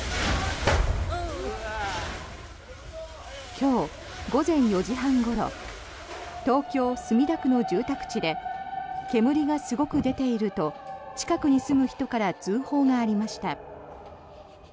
今日午前４時半ごろ東京・墨田区の住宅地で煙がすごく出ていると近くに住む人から通報がありました。